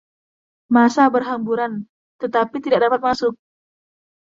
Massa berhamburan, tetapi tidak dapat masuk.